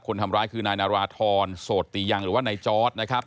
คนร้ายคือนายนาราธรโสติยังหรือว่านายจอร์ดนะครับ